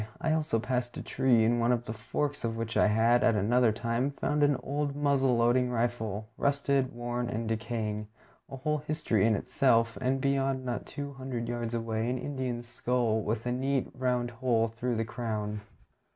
I also passed a tree in one of the forks of which I had, at another time, found an old muzzle loading rifle, rusted, worn, and decaying, a whole history in itself, and beyond, not two hundred yards away, an Indian's skull with a neat round hole through the crown.